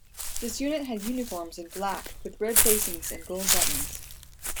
This unit had uniforms in black with red facings and gold buttons.